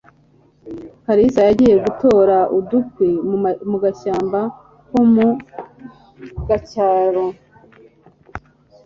kalisa yagiye gutora udukwi mu gashyamba ko mu gacyamo